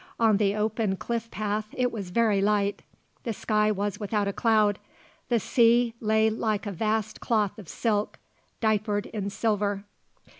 On the open cliff path it was very light. The sky was without a cloud. The sea lay like a vast cloth of silk, diapered in silver.